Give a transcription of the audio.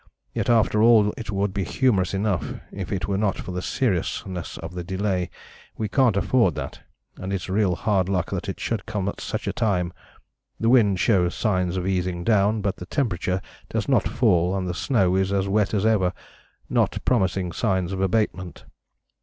Yet after all it would be humorous enough if it were not for the seriousness of delay we can't afford that, and it's real hard luck that it should come at such a time. The wind shows signs of easing down, but the temperature does not fall and the snow is as wet as ever, not promising signs of abatement.